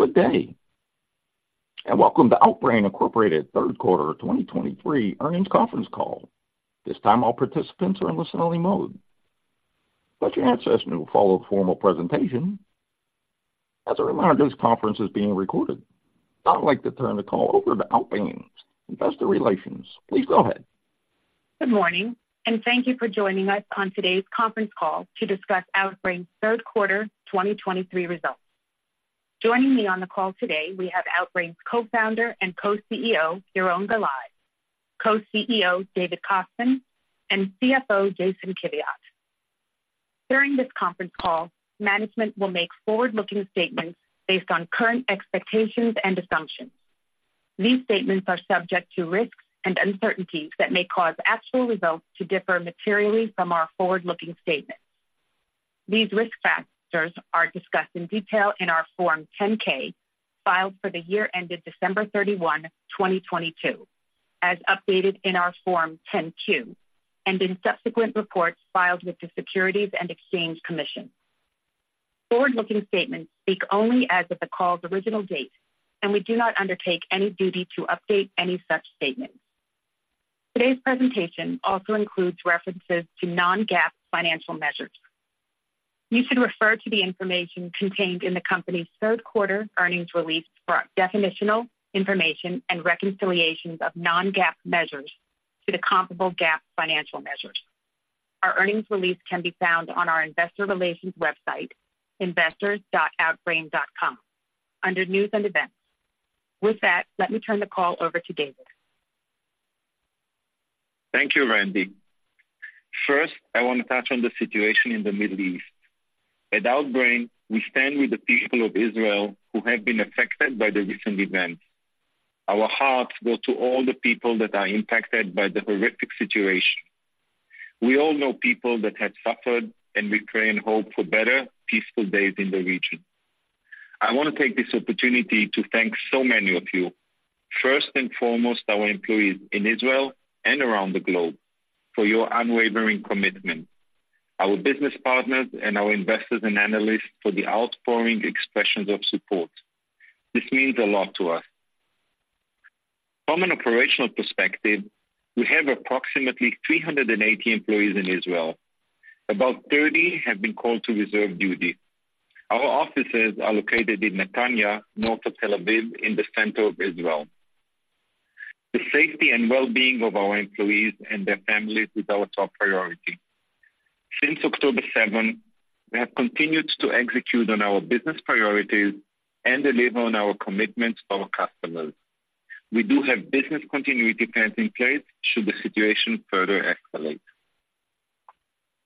Good day, and welcome to Outbrain Incorporated third quarter 2023 earnings conference call. This time, all participants are in listening mode. A question and answer session will follow formal presentation. As a reminder, this conference is being recorded. Now I'd like to turn the call over to Outbrain's Investor Relations. Please go ahead. Good morning, and thank you for joining us on today's conference call to discuss Outbrain's third quarter 2023 results. Joining me on the call today, we have Outbrain's Co-Founder and Co-CEO, Yaron Galai, Co-CEO David Kostman, and CFO Jason Kiviat. During this conference call, management will make forward-looking statements based on current expectations and assumptions. These statements are subject to risks and uncertainties that may cause actual results to differ materially from our forward-looking statements. These risk factors are discussed in detail in our Form 10-K, filed for the year ended December 31, 2022, as updated in our Form 10-Q, and in subsequent reports filed with the Securities and Exchange Commission. Forward-looking statements speak only as of the call's original date, and we do not undertake any duty to update any such statements. Today's presentation also includes references to non-GAAP financial measures. You should refer to the information contained in the company's third quarter earnings release for definitional information and reconciliations of non-GAAP measures to the comparable GAAP financial measures. Our earnings release can be found on our investor relations website, investors.outbrain.com, under News and Events. With that, let me turn the call over to David. Thank you, Randy. First, I want to touch on the situation in the Middle East. At Outbrain, we stand with the people of Israel who have been affected by the recent events. Our hearts go to all the people that are impacted by the horrific situation. We all know people that have suffered, and we pray and hope for better, peaceful days in the region. I want to take this opportunity to thank so many of you. First and foremost, our employees in Israel and around the globe for your unwavering commitment, our business partners and our investors and analysts for the outpouring expressions of support. This means a lot to us. From an operational perspective, we have approximately 380 employees in Israel. About 30 have been called to reserve duty. Our offices are located in Netanya, north of Tel Aviv, in the center of Israel. The safety and well-being of our employees and their families is our top priority. Since October 7, we have continued to execute on our business priorities and deliver on our commitments to our customers. We do have business continuity plans in place should the situation further escalate.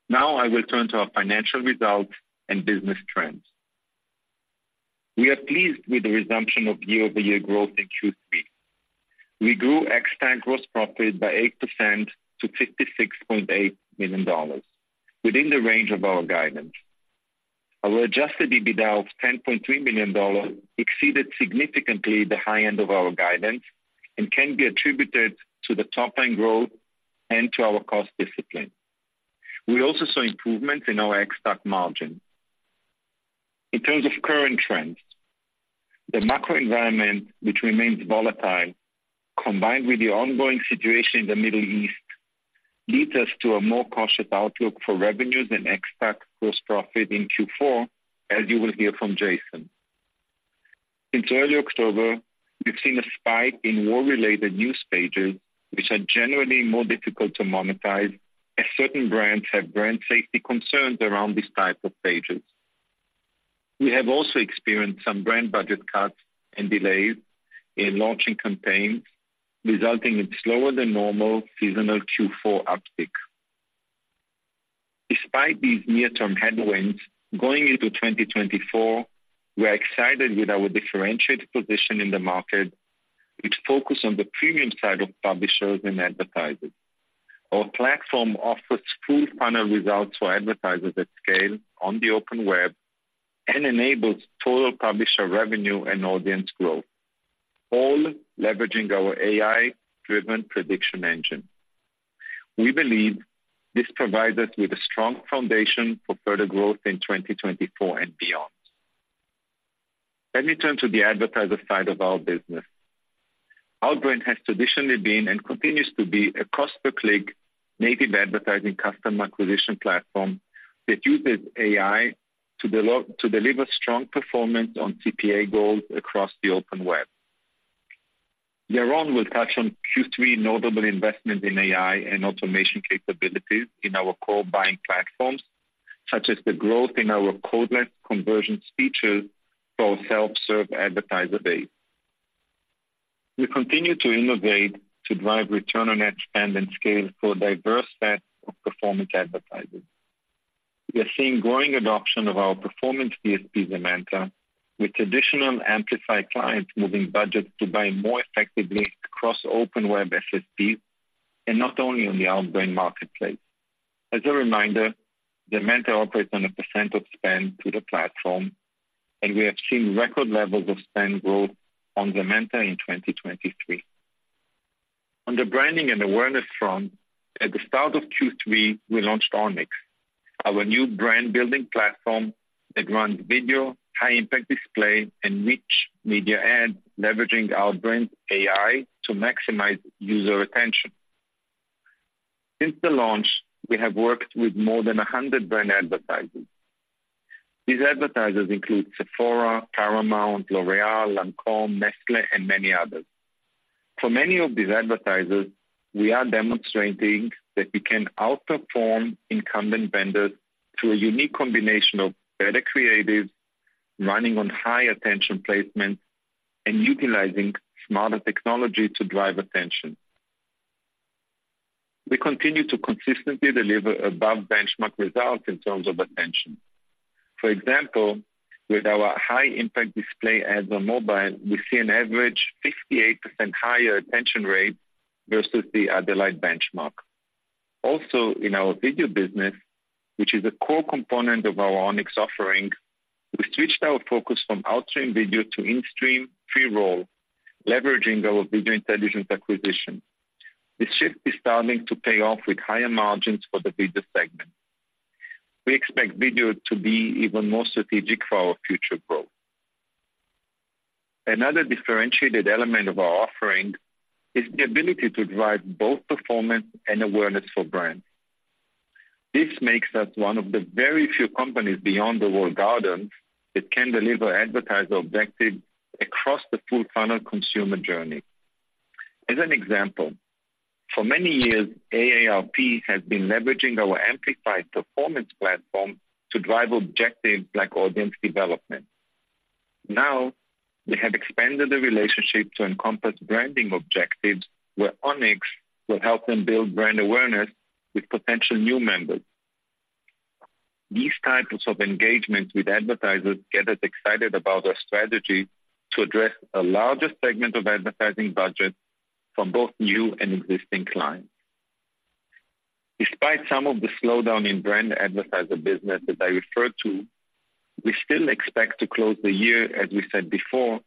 Now, I will turn to our financial results and business trends. We are pleased with the resumption of year-over-year growth in Q3. We grew Ex-TAC gross profit by 8% to $56.8 million, within the range of our guidance. Our adjusted EBITDA of $10.3 million exceeded significantly the high end of our guidance and can be attributed to the top-line growth and to our cost discipline. We also saw improvements in our Ex-TAC margin. In terms of current trends, the macro environment, which remains volatile, combined with the ongoing situation in the Middle East, leads us to a more cautious outlook for revenues and Ex-TAC Gross Profit in Q4, as you will hear from Jason. Since early October, we've seen a spike in war-related news pages, which are generally more difficult to monetize as certain brands have brand safety concerns around these type of pages. We have also experienced some brand budget cuts and delays in launching campaigns, resulting in slower than normal seasonal Q4 uptick. Despite these near-term headwinds, going into 2024, we are excited with our differentiated position in the market, which focus on the premium side of publishers and advertisers. Our platform offers full funnel results for advertisers at scale on the open web and enables total publisher revenue and audience growth, all leveraging our AI-driven prediction engine. We believe this provides us with a strong foundation for further growth in 2024 and beyond. Let me turn to the advertiser side of our business. Outbrain has traditionally been and continues to be a cost-per-click native advertising customer acquisition platform that uses AI to deliver strong performance on CPA goals across the open web. Yaron will touch on Q3 notable investment in AI and automation capabilities in our core buying platforms, such as the growth in our codeless conversions feature for our self-serve advertiser base. We continue to innovate to drive return on ad spend and scale for a diverse set of performance advertisers. We are seeing growing adoption of our performance DSP, Zemanta, with traditional Amplify clients moving budgets to buy more effectively across open web SSPs and not only on the Outbrain marketplace. As a reminder, Zemanta operates on a % of spend through the platform, and we have seen record levels of spend growth on Zemanta in 2023. On the branding and awareness front, at the start of Q3, we launched Onyx, our new brand building platform that runs video, high impact display, and rich media ads, leveraging our brand AI to maximize user attention. Since the launch, we have worked with more than 100 brand advertisers. These advertisers include Sephora, Paramount, L'Oréal, Lancôme, Nestlé, and many others. For many of these advertisers, we are demonstrating that we can outperform incumbent vendors through a unique combination of better creative, running on high attention placements, and utilizing smarter technology to drive attention. We continue to consistently deliver above benchmark results in terms of attention. For example, with our high impact display ads on mobile, we see an average 58% higher attention rate versus the Adelaide benchmark. Also, in our video business, which is a core component of our Onyx offering, we switched our focus from Outstream Video to instream pre-roll, leveraging our Video Intelligence acquisition. This shift is starting to pay off with higher margins for the video segment. We expect video to be even more strategic for our future growth. Another differentiated element of our offering is the ability to drive both performance and awareness for brands. This makes us one of the very few companies beyond the walled garden that can deliver advertiser objectives across the full funnel consumer journey. As an example, for many years, AARP has been leveraging our Amplify performance platform to drive objectives like audience development. Now, we have expanded the relationship to encompass branding objectives, where Onyx will help them build brand awareness with potential new members. These types of engagements with advertisers get us excited about our strategy to address a larger segment of advertising budget from both new and existing clients. Despite some of the slowdown in brand advertiser business that I referred to, we still expect to close the year, as we said before,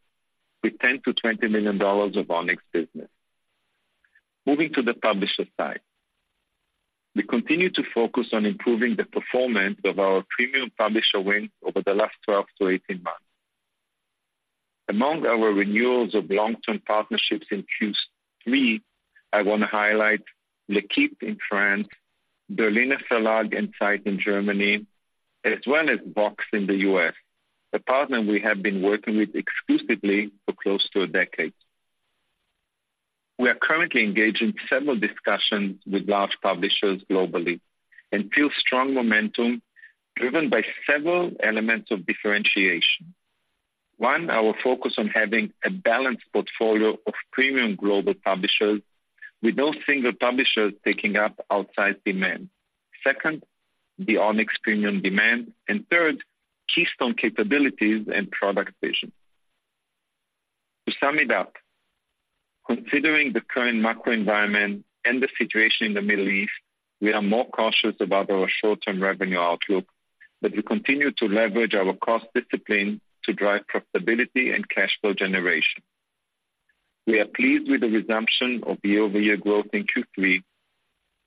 with $10 million-$20 million of Onyx business. Moving to the publisher side. We continue to focus on improving the performance of our premium publisher wins over the last 12 to 18 months. Among our renewals of long-term partnerships in Q3, I want to highlight L'Équipe in France, Berliner Verlag and Zeit in Germany, as well as Vox in the U.S., a partner we have been working with exclusively for close to a decade. We are currently engaged in several discussions with large publishers globally and feel strong momentum driven by several elements of differentiation. One, our focus on having a balanced portfolio of premium global publishers, with no single publisher taking up outsized demand. Second, the Onyx premium demand, and third, Keystone capabilities and product vision. To sum it up, considering the current macro environment and the situation in the Middle East, we are more cautious about our short-term revenue outlook, but we continue to leverage our cost discipline to drive profitability and cash flow generation. We are pleased with the resumption of year-over-year growth in Q3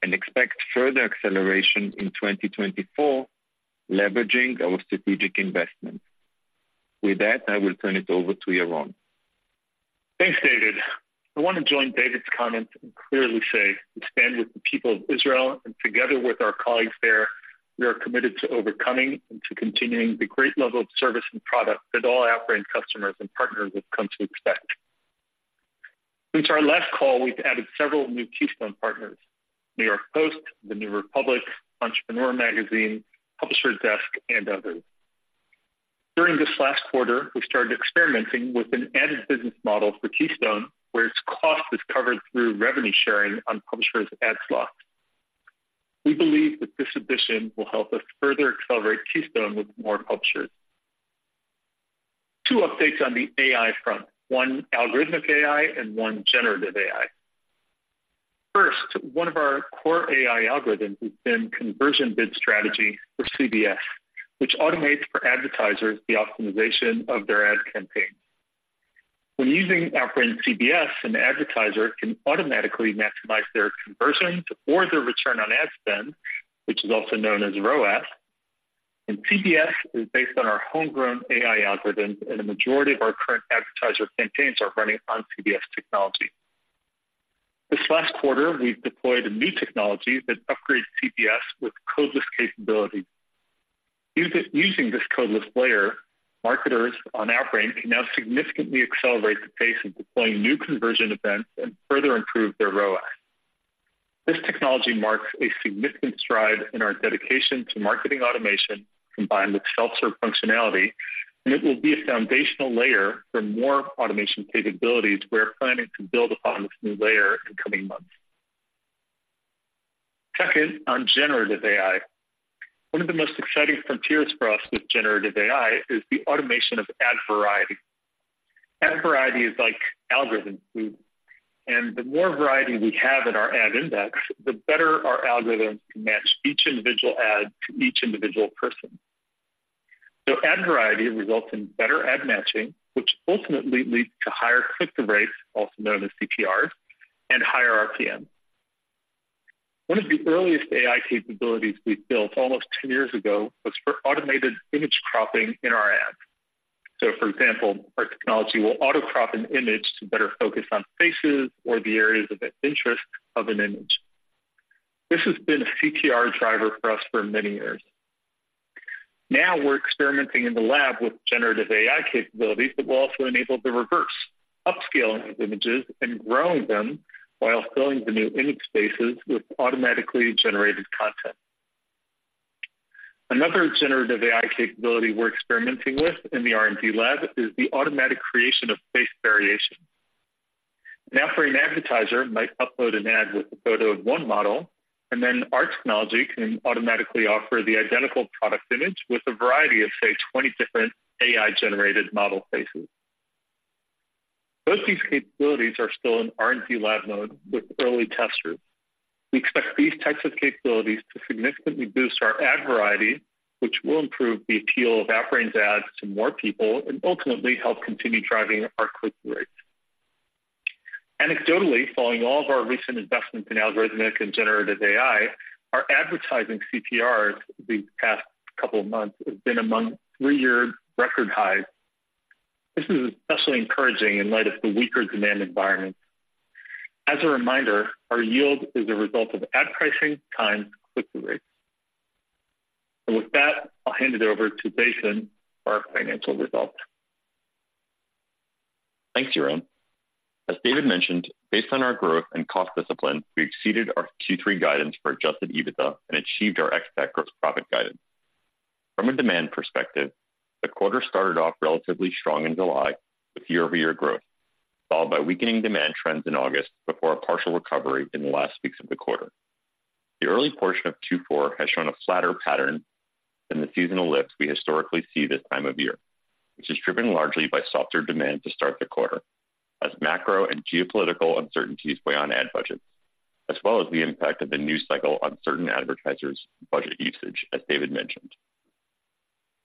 and expect further acceleration in 2024, leveraging our strategic investments. With that, I will turn it over to Yaron. Thanks, David. I want to join David's comments and clearly say we stand with the people of Israel, and together with our colleagues there, we are committed to overcoming and to continuing the great level of service and product that all Outbrain customers and partners have come to expect. Since our last call, we've added several new Keystone partners, New York Post, The New Republic, Entrepreneur Magazine, Publisher Desk, and others. During this last quarter, we started experimenting with an added business model for Keystone, where its cost is covered through revenue sharing on publishers' ad slots. We believe that this addition will help us further accelerate Keystone with more publishers. Two updates on the AI front, one algorithmic AI and one generative AI. First, one of our core AI algorithms has been Conversion Bid Strategy or CBS, which automates for advertisers the optimization of their ad campaigns. When using Outbrain CBS, an advertiser can automatically maximize their conversions or their return on ad spend, which is also known as ROAS, and CBS is based on our homegrown AI algorithms, and a majority of our current advertiser campaigns are running on CBS technology. This last quarter, we've deployed a new technology that upgrades CBS with codeless capability. Using this codeless layer, marketers on Outbrain can now significantly accelerate the pace of deploying new conversion events and further improve their ROAS. This technology marks a significant stride in our dedication to marketing automation combined with self-serve functionality, and it will be a foundational layer for more automation capabilities we're planning to build upon this new layer in coming months. Second, on generative AI. One of the most exciting frontiers for us with generative AI is the automation of ad variety. Ad variety is like algorithm food, and the more variety we have in our ad index, the better our algorithms can match each individual ad to each individual person. So ad variety results in better ad matching, which ultimately leads to higher click-through rates, also known as CTRs, and higher RPMs. One of the earliest AI capabilities we built almost 10 years ago was for automated image cropping in our ads. So, for example, our technology will auto-crop an image to better focus on faces or the areas of interest of an image. This has been a CTR driver for us for many years. Now we're experimenting in the lab with generative AI capabilities that will also enable the reverse, upscaling of images and growing them while filling the new image spaces with automatically generated content. Another generative AI capability we're experimenting with in the R&D lab is the automatic creation of face variation. Now, for an advertiser might upload an ad with a photo of one model, and then our technology can automatically offer the identical product image with a variety of, say, 20 different AI-generated model faces. Both these capabilities are still in R&D lab mode with early test groups. We expect these types of capabilities to significantly boost our ad variety, which will improve the appeal of Outbrain's ads to more people and ultimately help continue driving our click-through rates. Anecdotally, following all of our recent investments in algorithmic and generative AI, our advertising CTRs these past couple of months have been among three-year record highs. This is especially encouraging in light of the weaker demand environment. As a reminder, our yield is a result of ad pricing times click-through rates. With that, I'll hand it over to Jason for our financial results. Thanks, Yaron. As David mentioned, based on our growth and cost discipline, we exceeded our Q3 guidance for Adjusted EBITDA and achieved our Ex-TAC gross profit guidance. From a demand perspective, the quarter started off relatively strong in July with year-over-year growth, followed by weakening demand trends in August before a partial recovery in the last weeks of the quarter. The early portion of Q4 has shown a flatter pattern than the seasonal lift we historically see this time of year, which is driven largely by softer demand to start the quarter, as macro and geopolitical uncertainties weigh on ad budgets, as well as the impact of the news cycle on certain advertisers' budget usage, as David mentioned.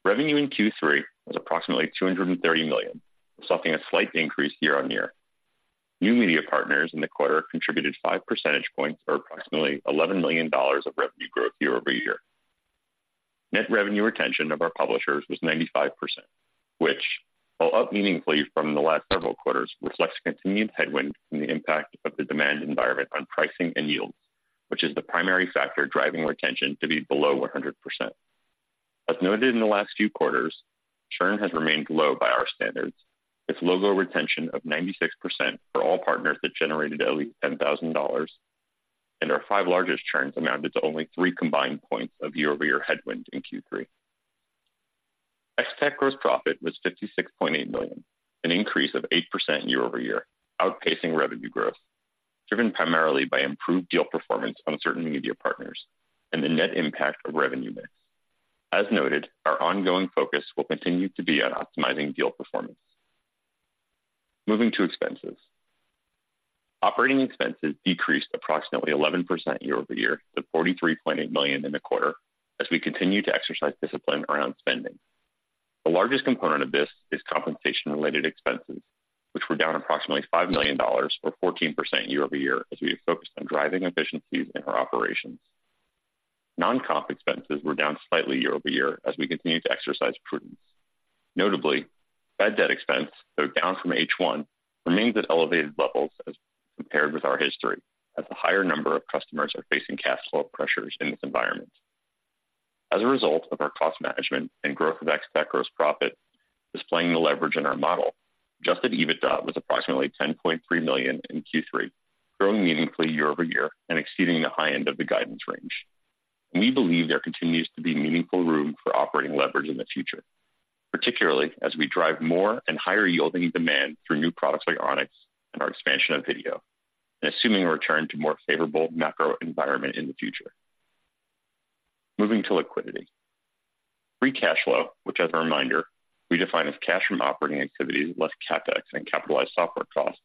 Revenue in Q3 was approximately $230 million, reflecting a slight increase year-on-year. New media partners in the quarter contributed 5 percentage points or approximately $11 million of revenue growth year-over-year. Net revenue retention of our publishers was 95%, which, while up meaningfully from the last several quarters, reflects continued headwind from the impact of the demand environment on pricing and yields, which is the primary factor driving retention to be below 100%. As noted in the last few quarters, churn has remained low by our standards, with logo retention of 96% for all partners that generated at least $10,000, and our five largest churns amounted to only 3 combined points of year-over-year headwind in Q3. Ex-TAC gross profit was $56.8 million, an increase of 8% year-over-year, outpacing revenue growth, driven primarily by improved deal performance on certain media partners and the net impact of revenue mix. As noted, our ongoing focus will continue to be on optimizing deal performance. Moving to expenses. Operating expenses decreased approximately 11% year-over-year to $43.8 million in the quarter as we continue to exercise discipline around spending. The largest component of this is compensation-related expenses, which were down approximately $5 million or 14% year-over-year, as we have focused on driving efficiencies in our operations. Non-comp expenses were down slightly year-over-year as we continue to exercise prudence. Notably, bad debt expense, though down from H1, remains at elevated levels as compared with our history, as a higher number of customers are facing cash flow pressures in this environment. As a result of our cost management and growth of Ex-TAC Gross Profit, displaying the leverage in our model, Adjusted EBITDA was approximately $10.3 million in Q3, growing meaningfully year-over-year and exceeding the high end of the guidance range. We believe there continues to be meaningful room for operating leverage in the future, particularly as we drive more and higher-yielding demand through new products like Onyx and our expansion of video, and assuming a return to more favorable macro environment in the future. Moving to liquidity. Free cash flow, which as a reminder, we define as cash from operating activities less CapEx and capitalized software costs,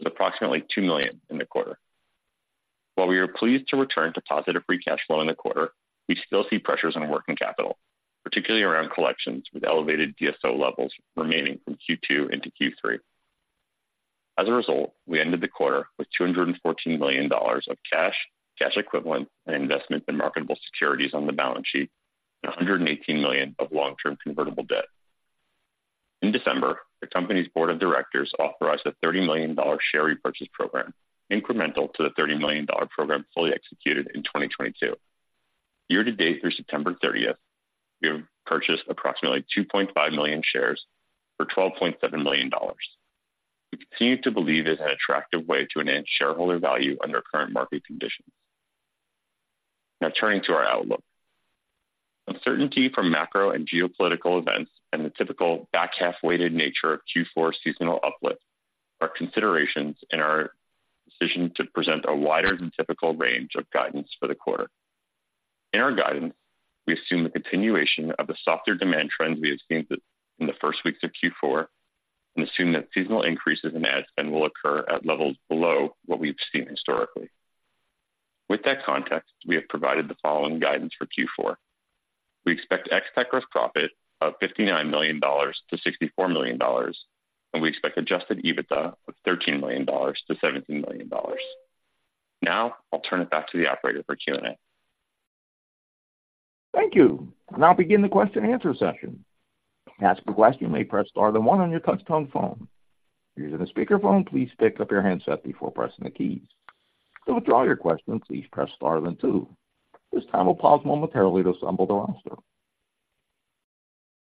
is approximately $2 million in the quarter. While we are pleased to return to positive free cash flow in the quarter, we still see pressures on working capital, particularly around collections, with elevated DSO levels remaining from Q2 into Q3. As a result, we ended the quarter with $214 million of cash, cash equivalent, and investment in marketable securities on the balance sheet and $118 million of long-term convertible debt. In December, the company's board of directors authorized a $30 million share repurchase program, incremental to the $30 million program fully executed in 2022. Year to date through September 30, we have purchased approximately 2.5 million shares for $12.7 million. We continue to believe it's an attractive way to enhance shareholder value under current market conditions. Now, turning to our outlook. Uncertainty from macro and geopolitical events and the typical back-half-weighted nature of Q4 seasonal uplift are considerations in our decision to present a wider-than-typical range of guidance for the quarter. In our guidance, we assume the continuation of the softer demand trends we have seen in the first weeks of Q4 and assume that seasonal increases in ad spend will occur at levels below what we've seen historically. With that context, we have provided the following guidance for Q4. We expect Ex-TAC Gross Profit of $59 million-$64 million, and we expect Adjusted EBITDA of $13 million-$17 million. Now I'll turn it back to the operator for Q&A. Thank you. I'll now begin the question and answer session. To ask a question, you may press star then one on your touchtone phone. If you're using a speakerphone, please pick up your handset before pressing the keys. To withdraw your question, please press star then two. This time we'll pause momentarily to assemble the roster.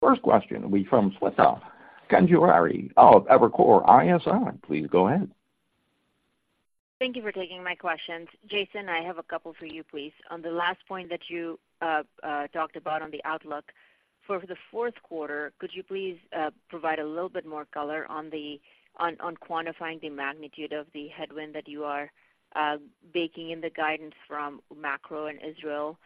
First question will be from Shweta Khajuria of Evercore ISI. Please go ahead. Thank you for taking my questions. Jason, I have a couple for you, please. On the last point that you talked about on the outlook for the fourth quarter, could you please provide a little bit more color on quantifying the magnitude of the headwind that you are baking in the guidance from macro in Israel?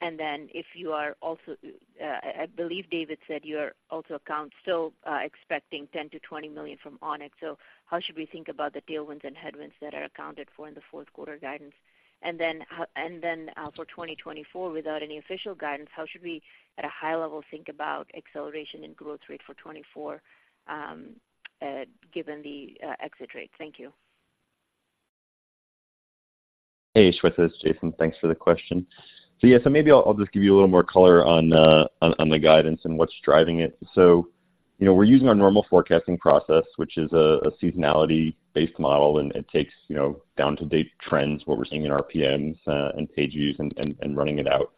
And then if you are also, I believe David said you are also account still expecting $10 million-$20 million from Onyx. So how should we think about the tailwinds and headwinds that are accounted for in the fourth quarter guidance? And then, for 2024, without any official guidance, how should we, at a high level, think about acceleration in growth rate for 2024, given the exit rate? Thank you. Hey, Shweta, it's Jason. Thanks for the question. So, yeah, so maybe I'll just give you a little more color on the guidance and what's driving it. So, you know, we're using our normal forecasting process, which is a seasonality-based model, and it takes, you know, up-to-date trends, what we're seeing in our RPMs, and page views and running it out.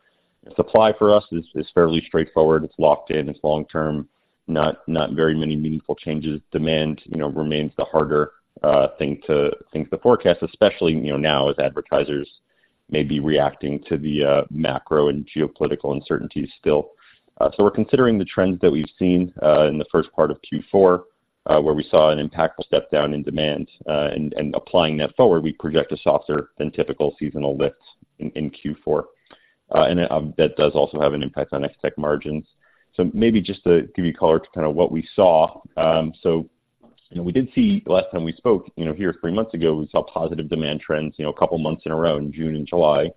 Supply for us is fairly straightforward. It's locked in, it's long term, not very many meaningful changes. Demand, you know, remains the harder thing to forecast, especially, you know, now as advertisers may be reacting to the macro and geopolitical uncertainties still. So we're considering the trends that we've seen in the first part of Q4, where we saw an impactful step down in demand, and applying that forward, we project a softer than typical seasonal lift in Q4. And that does also have an impact on Ex-TAC margins. So maybe just to give you color to kind of what we saw. So, you know, we did see the last time we spoke, you know, here three months ago, we saw positive demand trends, you know, a couple of months in a row, in June and July,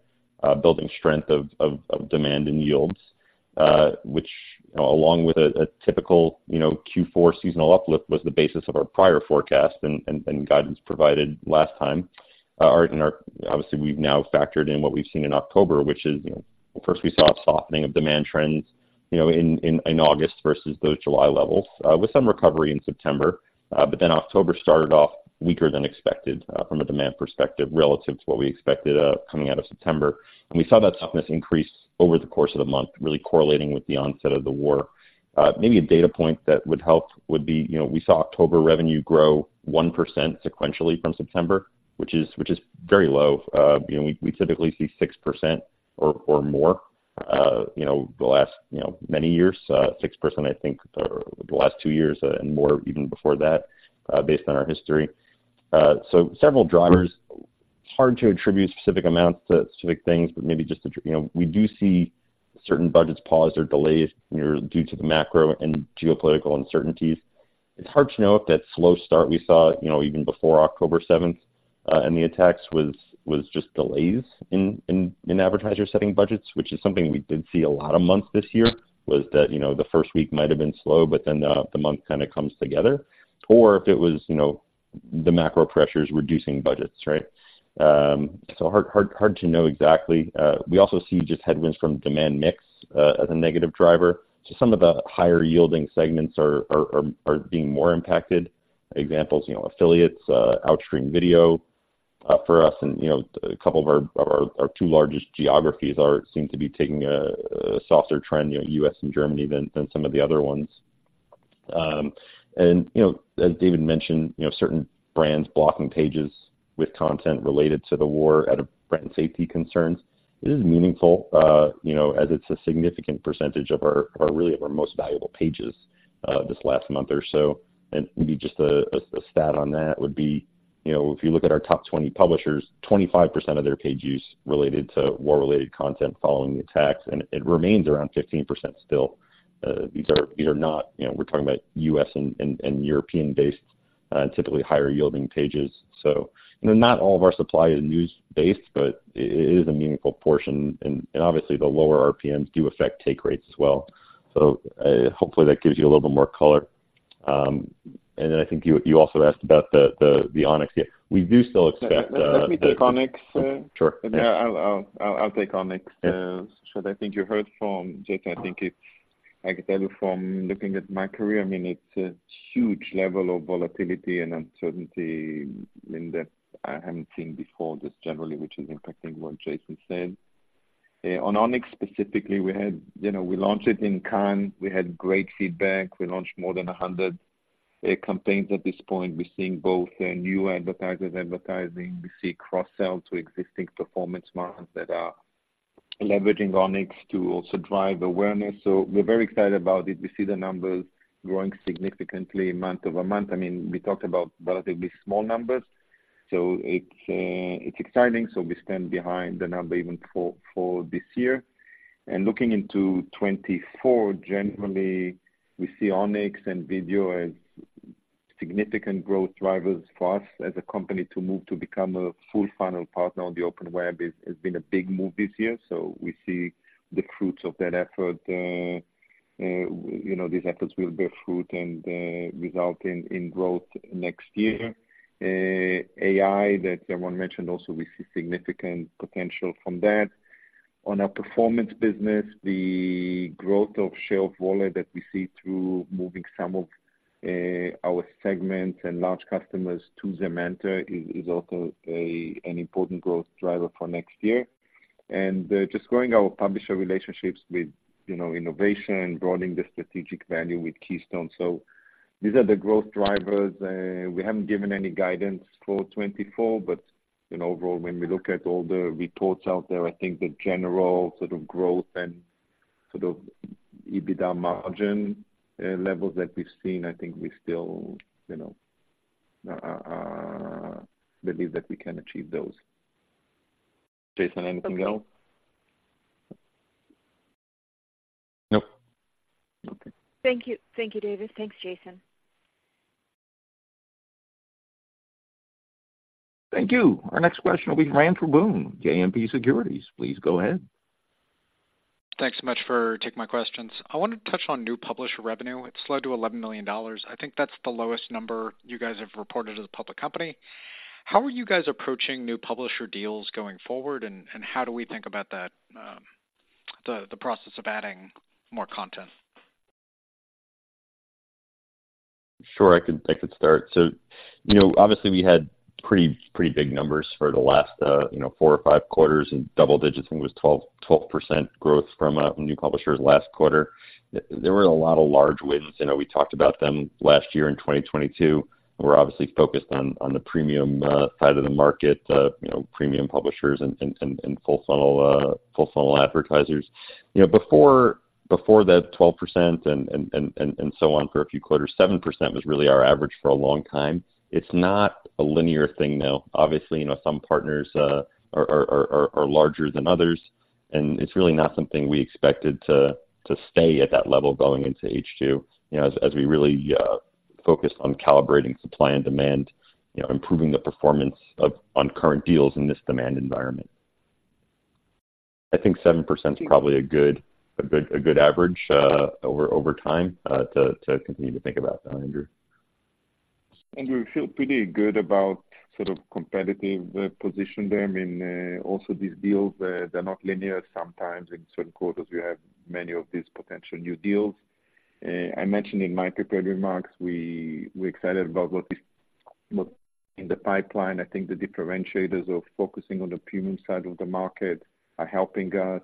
building strength of demand and yields, which, you know, along with a typical, you know, Q4 seasonal uplift, was the basis of our prior forecast and guidance provided last time. Obviously, we've now factored in what we've seen in October, which is, you know, first we saw a softening of demand trends, you know, in August versus those July levels, with some recovery in September. But then October started off weaker than expected, from a demand perspective relative to what we expected, coming out of September. And we saw that softness increase over the course of the month, really correlating with the onset of the war. Maybe a data point that would help would be, you know, we saw October revenue grow 1% sequentially from September, which is very low. You know, we typically see 6% or more, you know, the last many years. Six percent, I think, the last two years and more even before that, based on our history. So several drivers, hard to attribute specific amounts to specific things, but maybe just to, you know, we do see certain budgets paused or delayed near due to the macro and geopolitical uncertainties. It's hard to know if that slow start we saw, you know, even before October seventh, and the attacks was, was just delays in, in, in advertisers setting budgets, which is something we did see a lot of months this year, was that, you know, the first week might have been slow, but then the, the month kind of comes together. Or if it was, you know, the macro pressures reducing budgets, right? So hard, hard, hard to know exactly. We also see just headwinds from demand mix as a negative driver. So some of the higher-yielding segments are being more impacted. Examples, you know, affiliates, Outstream Video for us and, you know, a couple of our two largest geographies seem to be taking a softer trend, you know, U.S. and Germany than some of the other ones. And you know, as David mentioned, you know, certain brands blocking pages with content related to the war out of threat and safety concerns. It is meaningful, you know, as it's a significant percentage of our really of our most valuable pages this last month or so. And maybe just a stat on that would be, you know, if you look at our top 20 publishers, 25% of their page use related to war-related content following the attacks, and it remains around 15% still. These are not, you know, we're talking about U.S. and European-based, typically higher-yielding pages. So, you know, not all of our supply is news-based, but it is a meaningful portion, and obviously, the lower RPMs do affect take rates as well. So, hopefully that gives you a little bit more color. And then I think you also asked about the Onyx. Yeah, we do still expect the- Let me take Onyx. Sure. Yeah, I'll take Onyx. Yeah. So I think you heard from Jason. I think it's, I can tell you from looking at my career, I mean, it's a huge level of volatility and uncertainty, and that I haven't seen before, this generally, which is impacting what Jason said. On Onyx specifically, we had, you know, we launched it in Cannes. We had great feedback. We launched more than 100 campaigns at this point. We're seeing both new advertisers advertising. We see cross-sell to existing performance marketers that are leveraging Onyx to also drive awareness. So we're very excited about it. We see the numbers growing significantly month-over-month. I mean, we talked about relatively small numbers, so it, it's exciting. So we stand behind the number even for this year. And looking into 2024, generally, we see Onyx and video as- Significant growth drivers for us as a company to move to become a full funnel partner on the open web is, has been a big move this year. So we see the fruits of that effort, you know, these efforts will bear fruit and, result in, in growth next year. AI, that someone mentioned also, we see significant potential from that. On our performance business, the growth of share of wallet that we see through moving some of, our segments and large customers to Zemanta is, is also a, an important growth driver for next year. And, just growing our publisher relationships with, you know, innovation, broadening the strategic value with Keystone. So these are the growth drivers. We haven't given any guidance for 2024, but, you know, overall, when we look at all the reports out there, I think the general sort of growth and sort of EBITDA margin levels that we've seen, I think we still, you know, believe that we can achieve those. Jason, anything else? Nope. Okay. Thank you. Thank you, David. Thanks, Jason. Thank you. Our next question will be from Andrew Boone, JMP Securities. Please go ahead. Thanks so much for taking my questions. I wanted to touch on new publisher revenue. It slowed to $11 million. I think that's the lowest number you guys have reported as a public company. How are you guys approaching new publisher deals going forward, and how do we think about that, the process of adding more content? Sure, I could, I could start. So, you know, obviously we had pretty, pretty big numbers for the last, you know, 4 or 5 quarters in double digits. It was 12, 12% growth from new publishers last quarter. There were a lot of large wins. You know, we talked about them last year in 2022. We're obviously focused on, on the premium, side of the market, you know, premium publishers and, and, and, and, and full funnel, full funnel advertisers. You know, before, before that 12% and, and, and, and, and so on for a few quarters, 7% was really our average for a long time. It's not a linear thing now. Obviously, you know, some partners are larger than others, and it's really not something we expected to stay at that level going into H2, you know, as we really focus on calibrating supply and demand, you know, improving the performance of on current deals in this demand environment. I think 7% is probably a good average over time to continue to think about, Andrew. And we feel pretty good about sort of competitive position there. I mean, also these deals, they're not linear. Sometimes in certain quarters we have many of these potential new deals. I mentioned in my prepared remarks, we, we're excited about what in the pipeline. I think the differentiators of focusing on the premium side of the market are helping us.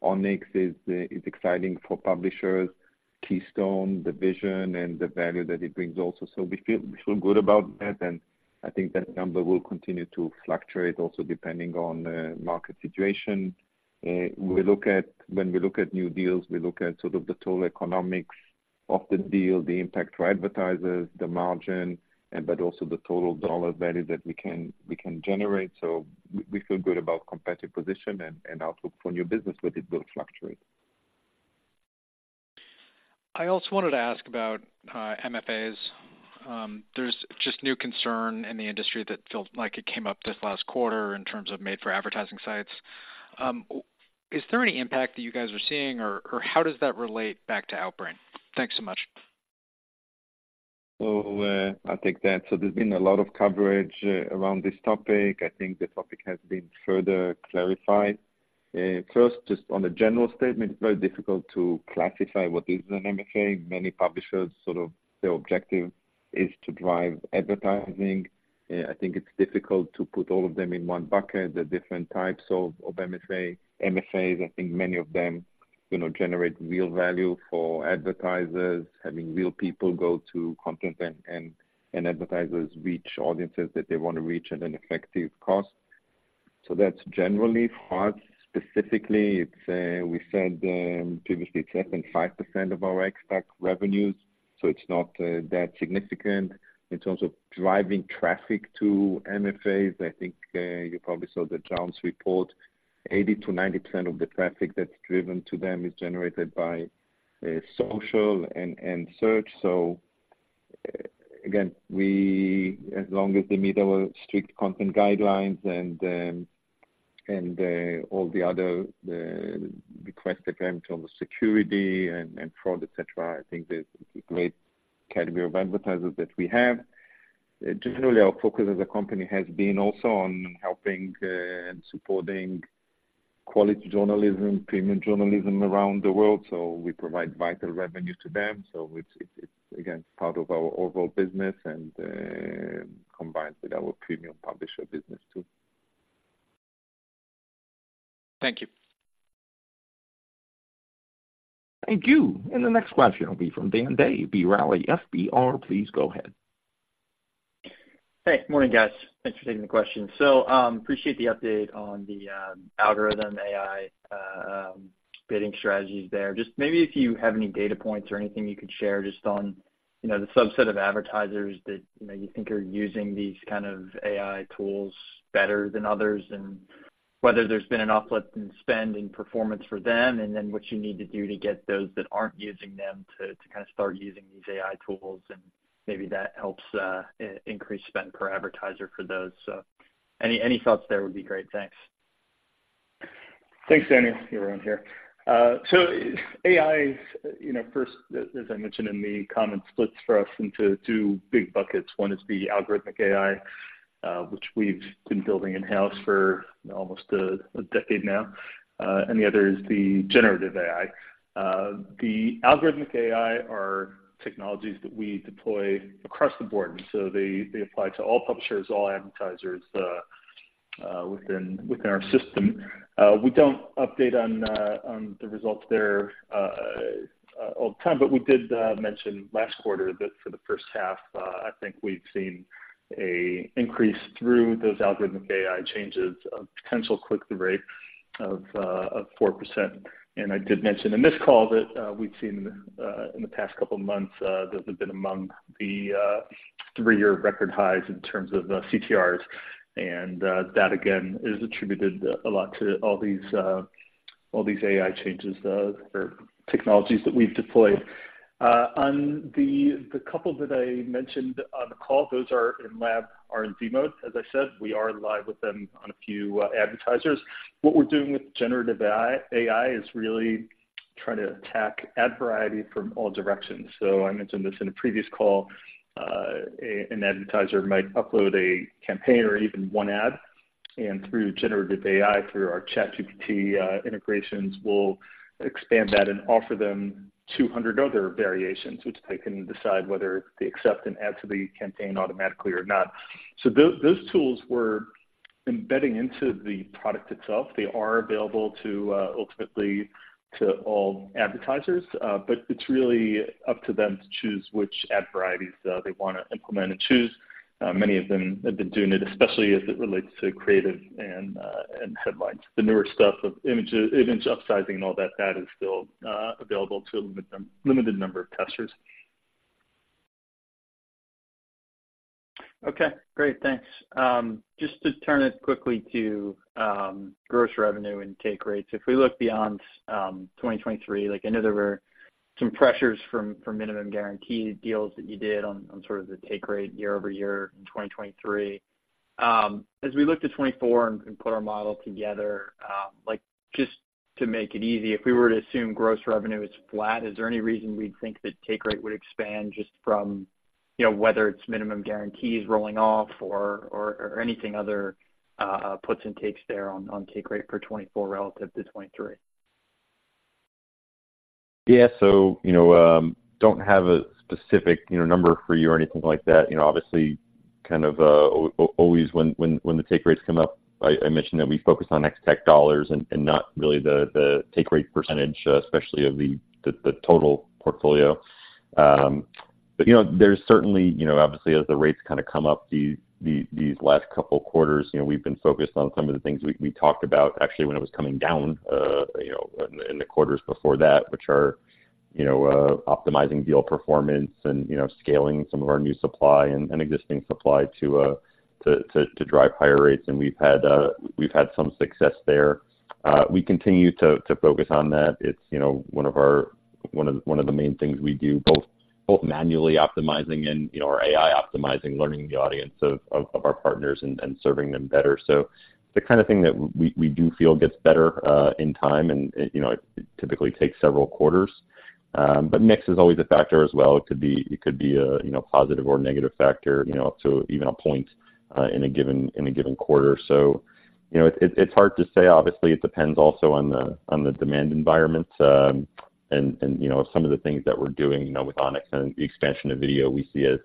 Onyx is exciting for publishers, Keystone, the vision and the value that it brings also. So we feel good about that, and I think that number will continue to fluctuate also depending on the market situation. We look at, when we look at new deals, we look at sort of the total economics of the deal, the impact for advertisers, the margin, and but also the total dollar value that we can generate. So we feel good about competitive position and outlook for new business, but it will fluctuate. I also wanted to ask about MFAs. There's just new concern in the industry that feels like it came up this last quarter in terms of made-for-advertising sites. Is there any impact that you guys are seeing, or, or how does that relate back to Outbrain? Thanks so much. So, I'll take that. So there's been a lot of coverage around this topic. I think the topic has been further clarified. First, just on the general statement, it's very difficult to classify what is an MFA. Many publishers, sort of their objective is to drive advertising. I think it's difficult to put all of them in one bucket. There are different types of MFA. MFAs, I think many of them, you know, generate real value for advertisers, having real people go to content and advertisers reach audiences that they want to reach at an effective cost. So that's generally hard. Specifically, it's we said previously, it's less than 5% of our ex-TAC revenues, so it's not that significant. In terms of driving traffic to MFAs, I think you probably saw the Jounce Report. 80%-90% of the traffic that's driven to them is generated by social and search. So again, we, as long as they meet our strict content guidelines and all the other requests that came to terms of security and fraud, et cetera, I think there's a great category of advertisers that we have. Generally, our focus as a company has been also on helping and supporting quality journalism, premium journalism around the world, so we provide vital revenue to them. So it's, it's, again, part of our overall business and combined with our premium publisher business, too. Thank you. Thank you. The next question will be from Dan Day, B. Riley FBR. Please go ahead. Hey, morning, guys. Thanks for taking the question. So, appreciate the update on the algorithm, AI, bidding strategies there. Just maybe if you have any data points or anything you could share just on, you know, the subset of advertisers that, you know, you think are using these kind of AI tools better than others, and whether there's been an uplift in spend and performance for them, and then what you need to do to get those that aren't using them to kind of start using these AI tools, and maybe that helps increase spend per advertiser for those. So any thoughts there would be great. Thanks. Thanks, Daniel. You're on here. So AI, you know, first, as I mentioned in the comment, splits for us into two big buckets. One is the algorithmic AI, which we've been building in-house for almost a decade now, and the other is the generative AI. The algorithmic AI are technologies that we deploy across the board, and so they apply to all publishers, all advertisers within our system. We don't update on the results there all the time, but we did mention last quarter that for the first half, I think we've seen an increase through those algorithmic AI changes of potential click-through rate of 4%. And I did mention in this call that we've seen in the past couple of months those have been among the three-year record highs in terms of CTRs. And that again is attributed a lot to all these all these AI changes or technologies that we've deployed. On the the couple that I mentioned on the call, those are in lab R&D mode. As I said, we are live with them on a few advertisers. What we're doing with generative AI, AI is really trying to attack ad variety from all directions. So I mentioned this in a previous call, an advertiser might upload a campaign or even one ad, and through generative AI, through our ChatGPT integrations, we'll expand that and offer them 200 other variations, which they can decide whether they accept and add to the campaign automatically or not. So those tools we're embedding into the product itself. They are available to, ultimately, to all advertisers, but it's really up to them to choose which ad varieties they want to implement and choose. Many of them have been doing it, especially as it relates to creative and, and headlines. The newer stuff of image upsizing and all that, that is still available to a limited number of testers. Okay, great. Thanks. Just to turn it quickly to gross revenue and take rates. If we look beyond 2023, like, I know there were some pressures from, from minimum guaranteed deals that you did on, on sort of the take rate year-over-year in 2023. As we look to 2024 and, and put our model together, like, just to make it easy, if we were to assume gross revenue is flat, is there any reason we'd think that take rate would expand just from, you know, whether it's minimum guarantees rolling off or, or, or anything other puts and takes there on, on take rate for 2024 relative to 2023? Yeah. So, you know, don't have a specific, you know, number for you or anything like that. You know, obviously, kind of, always when the take rates come up, I mentioned that we focus on next tech dollars and not really the take rate percentage, especially of the total portfolio. But, you know, there's certainly, you know, obviously, as the rates kind of come up these last couple of quarters, you know, we've been focused on some of the things we talked about actually when it was coming down, you know, in the quarters before that, which are, you know, optimizing deal performance and, you know, scaling some of our new supply and existing supply to drive higher rates. And we've had some success there. We continue to focus on that. It's, you know, one of the main things we do, both manually optimizing and, you know, our AI optimizing, learning the audience of our partners and serving them better. So the kind of thing that we do feel gets better in time, and, you know, it typically takes several quarters. But mix is always a factor as well. It could be a, you know, positive or negative factor, you know, up to even a point in a given quarter. So, you know, it's hard to say. Obviously, it depends also on the demand environment, and you know, some of the things that we're doing, you know, with Onyx and the expansion of video, we see as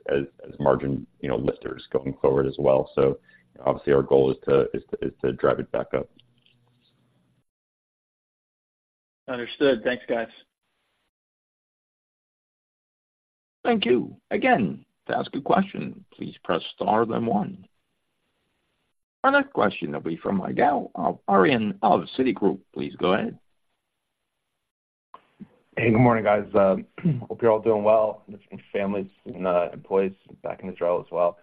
margin lifters going forward as well. So obviously, our goal is to drive it back up. Understood. Thanks, guys. Thank you. Again, to ask a question, please press star one one. Our next question will be from Ygal Arounian of Citigroup. Please go ahead. Hey, good morning, guys. Hope you're all doing well, and families and employees back in Israel as well.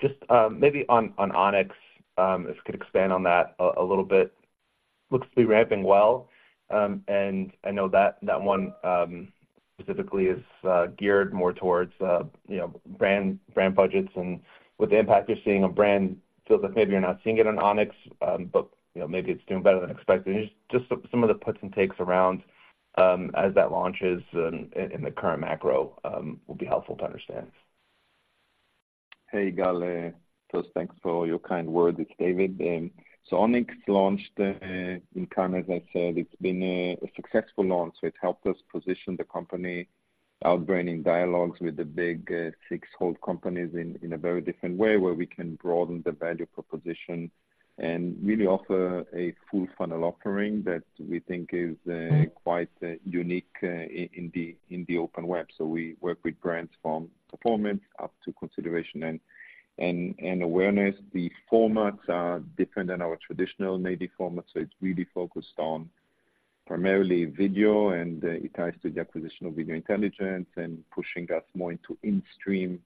Just maybe on Onyx, if you could expand on that a little bit. Looks to be ramping well, and I know that one specifically is geared more towards you know, brand budgets and what the impact you're seeing on brand. Feels like maybe you're not seeing it on Onyx, but you know, maybe it's doing better than expected. Just some of the puts and takes around as that launches in the current macro will be helpful to understand. Hey, Ygal. First, thanks for your kind words. It's David. So Onyx launched in Cannes. As I said, it's been a successful launch, so it helped us position the company, our branding dialogues with the big six holding companies in a very different way, where we can broaden the value proposition and really offer a full funnel offering that we think is- Mm-hmm -quite unique in the open web. So we work with brands from performance up to consideration and awareness. The formats are different than our traditional native formats, so it's really focused on primarily video, and it ties to the acquisition of Video Intelligence and pushing us more into instream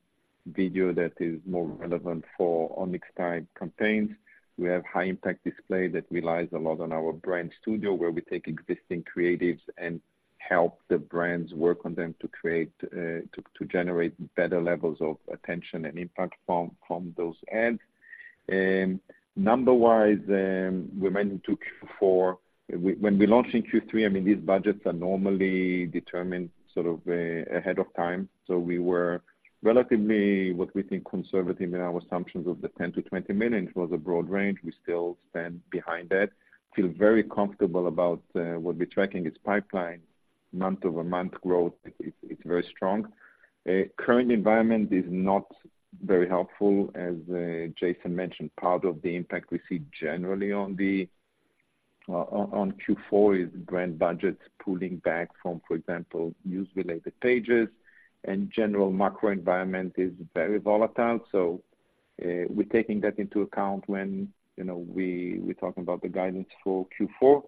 video that is more relevant for Onyx-type campaigns. We have high impact display that relies a lot on our Brand Studio, where we take existing creatives and help the brands work on them to create to generate better levels of attention and impact from those ads. Number-wise, we went into Q4, when we launched in Q3, I mean, these budgets are normally determined sort of ahead of time. So we were relatively, what we think, conservative in our assumptions of the $10-$20 million was a broad range. We still stand behind that. Feel very comfortable about, what we're tracking its pipeline month-over-month growth. It's, it's very strong. Current environment is not very helpful. As, Jason mentioned, part of the impact we see generally on the, on, on Q4 is brand budgets pulling back from, for example, news-related pages, and general macro environment is very volatile. So, we're taking that into account when, you know, we, we talk about the guidance for Q4.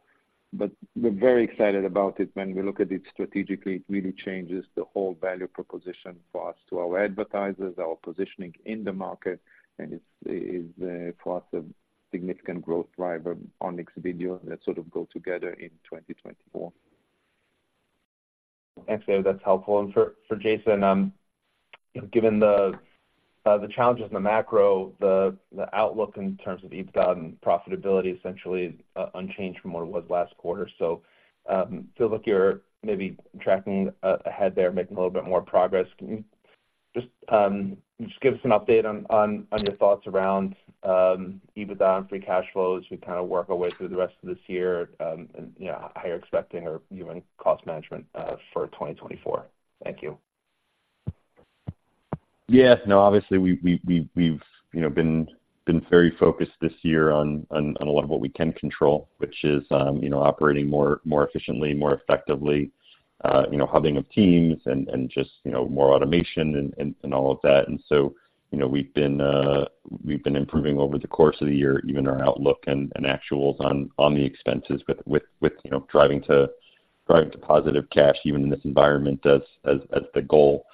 But we're very excited about it. When we look at it strategically, it really changes the whole value proposition for us to our advertisers, our positioning in the market, and it's, for us, a significant growth driver, Onyx video, that sort of go together in 2024. Thanks, David. That's helpful. And for Jason, given the challenges in the macro, the outlook in terms of EBITDA and profitability, essentially unchanged from what it was last quarter. So feel like you're maybe tracking ahead there, making a little bit more progress. Can you just give us an update on your thoughts around EBITDA and free cash flows? We kind of work our way through the rest of this year, and you know, how you're expecting or even cost management for 2024. Thank you. Yeah. No, obviously, we've been very focused this year on a lot of what we can control, which is, you know, operating more efficiently, more effectively, you know, hubbing of teams and just, you know, more automation and all of that. And so, you know, we've been improving over the course of the year, even our outlook and actuals on the expenses with, you know, driving to positive cash, even in this environment, as the goal.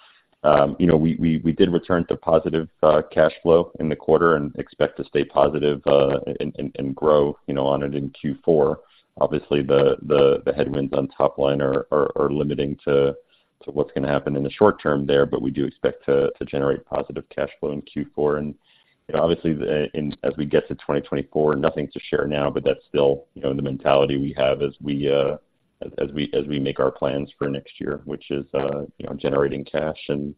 You know, we did return to positive cash flow in the quarter and expect to stay positive and grow, you know, on it in Q4. Obviously, the headwinds on top line are limiting to what's gonna happen in the short term there, but we do expect to generate positive cash flow in Q4. You know, obviously, as we get to 2024, nothing to share now, but that's still, you know, the mentality we have as we make our plans for next year, which is, you know, generating cash and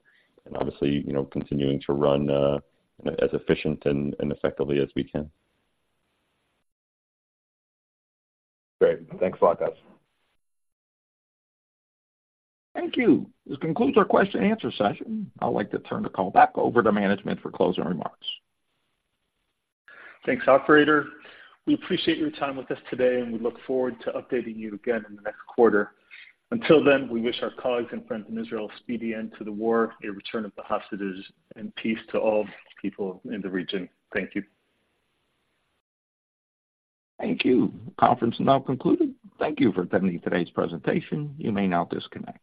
obviously, you know, continuing to run you know, as efficient and effectively as we can. Great. Thanks a lot, guys. Thank you. This concludes our question and answer session. I'd like to turn the call back over to management for closing remarks. Thanks, operator. We appreciate your time with us today, and we look forward to updating you again in the next quarter. Until then, we wish our colleagues and friends in Israel a speedy end to the war, a return of the hostages, and peace to all people in the region. Thank you. Thank you. Conference is now concluded. Thank you for attending today's presentation. You may now disconnect.